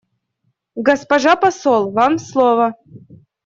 Госпожа посол, вам слово.